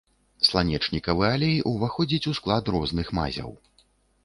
Сланечнікавы алей уваходзіць у склад розных мазяў.